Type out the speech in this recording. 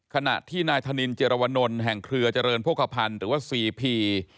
ขณะที่นายธนินเจรวนลแห่งเครือเจริญโภคภัณฑ์หรือว่าซีพี